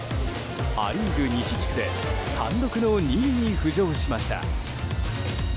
ア・リーグ西地区で単独の２位に浮上しました。